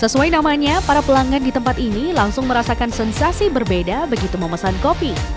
sesuai namanya para pelanggan di tempat ini langsung merasakan sensasi berbeda begitu memesan kopi